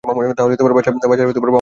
তা হলে আমার বাসার বামুন কী দোষ করলে?